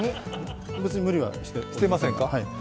別に無理はしていません。